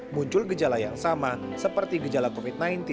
muncul gejala yang sama seperti gejala covid sembilan belas